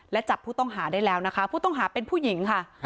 และจับผู้ต้องหาได้แล้วนะคะผู้ต้องหาเป็นผู้หญิงค่ะ